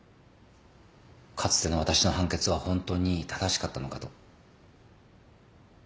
かつての私の判決は本当に正しかったのかと。